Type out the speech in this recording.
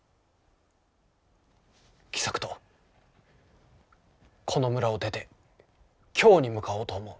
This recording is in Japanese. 喜作と、この村を出て京に向かおうと思う。